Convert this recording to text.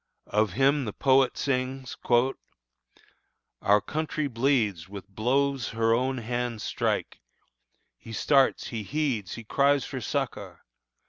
Of him the poet sings: "Our country bleeds With blows her own hands strike. He starts, he heeds Her cries for succor.